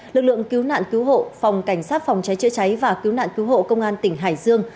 lực lượng cứu nạn cứu hộ phòng cảnh sát phòng cháy chữa cháy và cứu nạn cứu hộ công an tỉnh hải dương